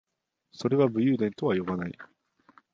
それは武勇伝とは呼ばない